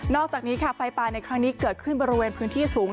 อกจากนี้ค่ะไฟป่าในครั้งนี้เกิดขึ้นบริเวณพื้นที่สูง